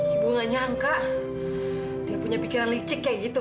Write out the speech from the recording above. ibu gak nyangka dia punya pikiran licik kayak gitu